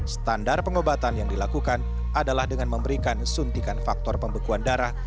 standar pengobatan yang dilakukan adalah dengan memberikan suntikan faktor pembekuan darah